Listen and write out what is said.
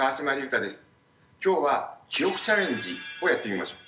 今日は記憶チャレンジをやってみましょう。